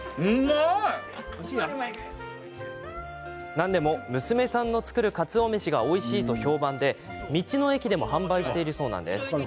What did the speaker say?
なんでも、娘さんの作るかつお飯がおいしいと評判で道の駅でも販売しているそうなんです。